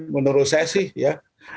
menurut saya sih ya